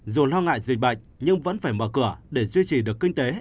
dù lo ngại dịch bệnh nhưng vẫn phải mở cửa để duy trì được kinh tế